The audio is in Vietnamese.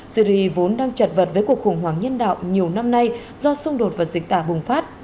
syri vốn đang trật vật với cuộc khủng hoảng nhân đạo nhiều năm nay do xung đột và dịch tả bùng phát